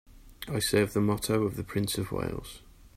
I serve the motto of the Prince of Wales